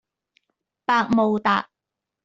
百慕達